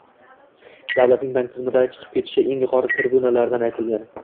Davlatning bank tizimidan chiqib ketishi eng yuqori tribunalardan aytilgan